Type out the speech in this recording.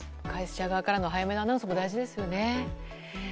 会社側からの早めのアナウンスも大事ですよね。